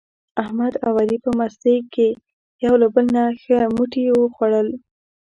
احمد او علي په مستۍ کې یو له بل نه ښه موټي و خوړل.